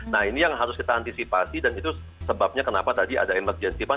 nah ini yang harus kita antisipasi dan itu sebabnya kenapa tadi ada emergensi fun